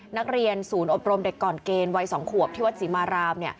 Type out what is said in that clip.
นักเรียนศูนย์อบรมเด็กก่อนเกณฑ์วัย๒ขวบที่วัดศรีมาราม